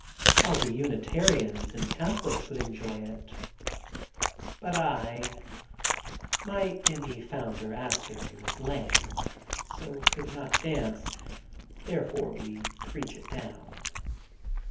How the Unitarians and Catholics would enjoy it. But I—my M. E. founder, Asbury, was lame, so could not dance, therefore we preach it down.